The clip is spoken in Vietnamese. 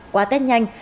qua tết nhanh